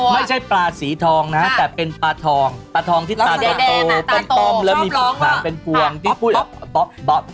ไม่ใช่ปลาสีทองนะแต่เป็นปลาทองปลาทองที่ตาโตโตตอมแล้วมีปลูกหางเป็นกวงที่พูดแบบบ๊อกบ๊อกบ๊อกบ๊อกบ๊อก